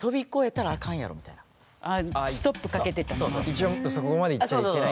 一応そこまでいっちゃいけない。